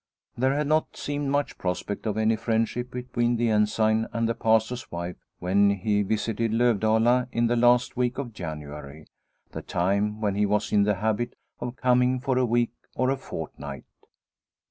There had not seemed much prospect of any friendship between the Ensign and the Pastor's wife when he visited Lovdala in the last week of January, the time when he was in the habit 174 Ensign Orneclou 175 of coming for a week or a fortnight.